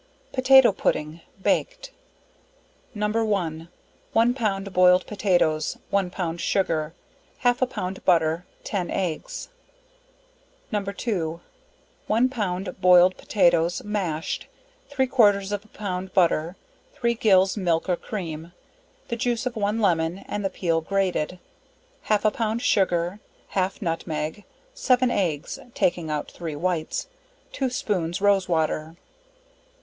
Potato Pudding. Baked. No. 1. One pound boiled potatoes, one pound sugar, half a pound butter, 10 eggs. No. 2. One pound boiled potatoes, mashed, three quarters of a pound butter, 3 gills milk or cream, the juice of one lemon and the peal grated, half a pound sugar, half nutmeg, 7 eggs (taking out 3 whites,) 2 spoons rose water.